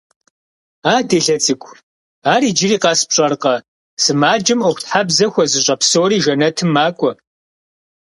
– А делэ цӀыкӀу, ар иджыри къэс пщӀэркъэ: сымаджэм Ӏуэхутхьэбзэ хуэзыщӀэ псори жэнэтым макӀуэ.